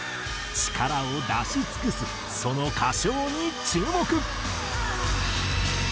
力を出し尽くすその歌唱に注目。